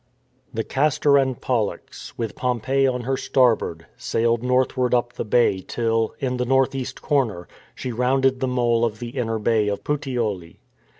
The Castor and Pollux, with Pompeii on her star board, sailed northward up the bay till, in the north east corner, she rounded the mole of the inner bay o^ Puteoli.